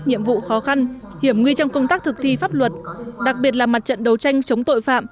nhiệm vụ khó khăn hiểm nguy trong công tác thực thi pháp luật đặc biệt là mặt trận đấu tranh chống tội phạm